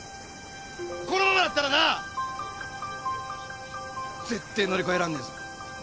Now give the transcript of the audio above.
このままだったらな絶対乗り越えらんねえぞ。